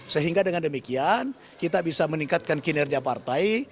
sehingga dengan demikian kita bisa meningkatkan kinerja partai